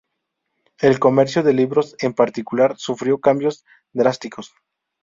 El comercio de libros, en particular, sufrió cambios drásticos.